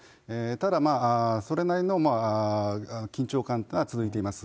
ただ、それなりの緊張感というのは続いています。